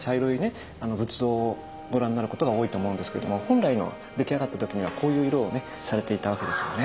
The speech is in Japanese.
仏像をご覧になることが多いと思うんですけども本来の出来上がった時にはこういう色をされていたわけですよね。